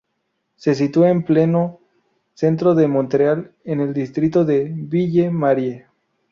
Se sitúa en pleno centro de Montreal, en el distrito de Ville-Marie.